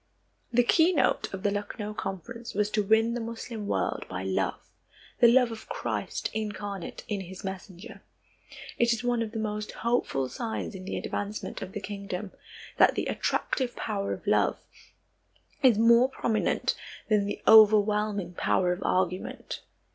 The keynote of the Lucknow Conference was to win the Moslem world by love, the love of Christ incarnate in his messenger. It is one of the most hopeful signs in the advancement of the kingdom that the attractive power of love is more prominent than the overwhelming power of argument.